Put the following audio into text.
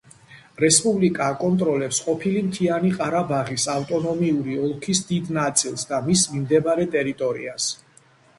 რესპუბლიკა აკონტროლებს ყოფილი მთიანი ყარაბაღის ავტონომიური ოლქის დიდ ნაწილს და მის მიმდებარე ტერიტორიას.